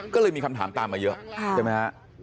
ก็เลยมีคำถามตามมาเยอะ